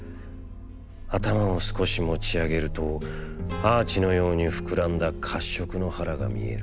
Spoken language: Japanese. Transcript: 頭を少し持ちあげるとアーチのようにふくらんだ褐色の腹が見える。